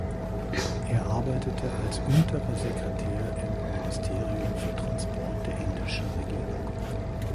Er arbeitete als unterer Sekretär im Ministerium für Transport der indischen Regierung.